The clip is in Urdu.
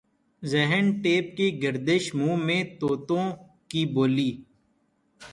ذہن ٹیپ کی گردش منہ میں طوطوں کی بولی